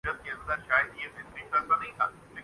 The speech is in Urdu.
ان پہ ظلم کی شب کب سے چلی آ رہی ہے۔